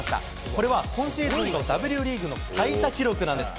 これは今シーズンのＷリーグの最多記録なんです。